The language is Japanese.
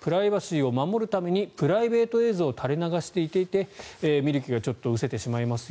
プライバシーを守るためにプライベート映像を垂れ流していて見る気がちょっと失せてしまいますよ。